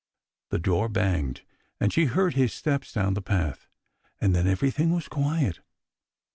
The door banged, and she heard his steps down the path, and then everything was quiet.